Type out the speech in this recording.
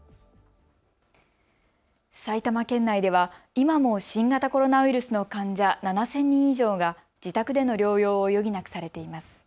埼玉県内では今も新型コロナウイルスの患者７０００人以上が自宅での療養を余儀なくされています。